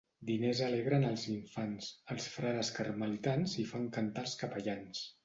Diners alegren els infants, els frares carmelitans i fan cantar els capellans.